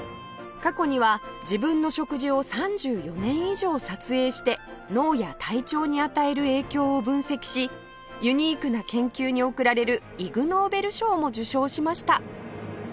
過去には自分の食事を３４年以上撮影して脳や体調に与える影響を分析しユニークな研究に贈られるイグ・ノーベル賞も受賞しました